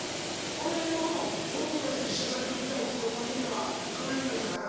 俺も子供たちと一緒に酒飲みたいという夢はかないましたから。